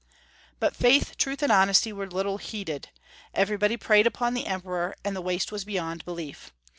But faith, truth, and honesty were little heeded. Everybody preyed upon the Emperor, and the waste was beyond belief.